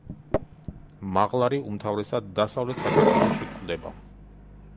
მაღლარი უმთავრესად დასავლეთ საქართველოში გვხვდება.